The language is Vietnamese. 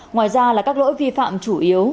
ngoài ra là các lỗi vi phạm chủ yếu